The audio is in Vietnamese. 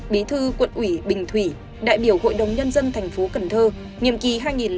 bí thư quận ủy bình thủy đại biểu hội đồng nhân dân thành phố cần thơ nghiệm kỳ hai nghìn bốn hai nghìn chín